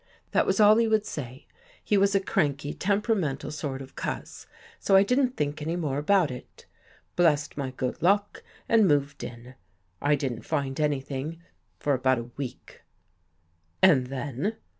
" That was all he would say. He was a cranky, temperamental sort of cuss, so I didn't think any more about it. Blessed my good luck and moved in. I didn't find anything for about a week." " And then?